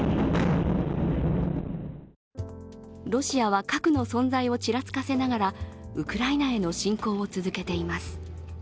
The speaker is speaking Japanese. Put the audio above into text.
ロシアは核の存在をちらつかせながらウクライナへの侵攻を続けています。